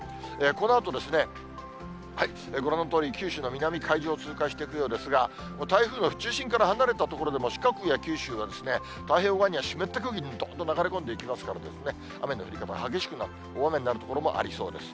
このあとですね、ご覧のとおり、九州の南海上を通過していくようですが、台風の中心から離れた所でも、四国や九州はですね、太平洋側には湿った空気、どんと流れ込んでいきますからね、雨の降り方、激しくなる、大雨になる所もありそうです。